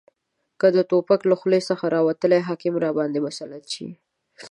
که د توپک له خولې څخه راوتلي حاکمان راباندې مسلط شي